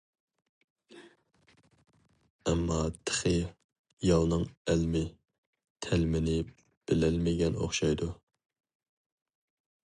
ئەمما تېخى ياۋنىڭ ئەلمى- تەلمىنى بىلەلمىگەن ئوخشايدۇ.